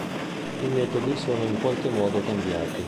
I metodi sono in qualche modo cambiati.